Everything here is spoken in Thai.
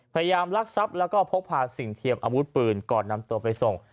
ลักทรัพย์แล้วก็พกพาสิ่งเทียมอาวุธปืนก่อนนำตัวไปส่ง